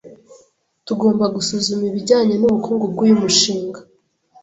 Tugomba gusuzuma ibijyanye nubukungu bwuyu mushinga.